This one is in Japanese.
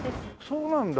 そうなんだ。